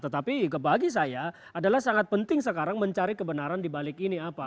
tetapi bagi saya adalah sangat penting sekarang mencari kebenaran dibalik ini apa